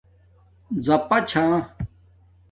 ژَاپا چھا